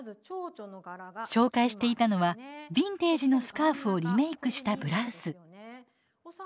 紹介していたのはビンテージのスカーフをリメークしたブラウス。